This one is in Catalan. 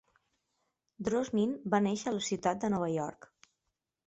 Drosnin va néixer a la ciutat de Nova York.